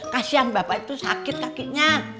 kasian bapak itu sakit kakinya